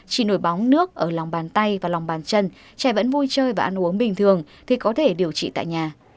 chỉ nổi bóng nước ở lòng bàn tay và lòng bàn chân trẻ vẫn vui chơi và ăn uống bình thường thì có thể điều trị tại nhà